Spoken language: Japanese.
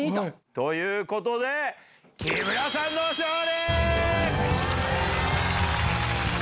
ということで木村さんの勝利！